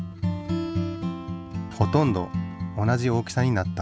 ほとんど同じ大きさになった。